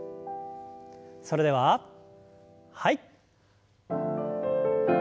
それでははい。